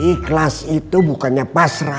ikhlas itu bukannya pasrah